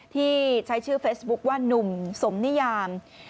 ที่ใช้ชื่อเฟซบุ๊คว่านุ่มสมนิยาม